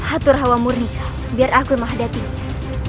atur hawa murni kau biar aku yang menghadapinya